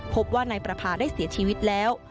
พบว่านายประพาได้เสียชีวิตแล้ว